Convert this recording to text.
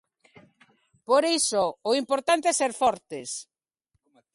Por iso, o importante é ser fortes.